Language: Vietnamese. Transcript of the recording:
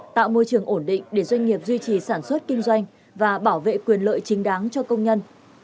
tạo môi trường ổn định để doanh nghiệp duy trì sản xuất kinh doanh và bảo vệ quyền lợi chính đáng cho công nhân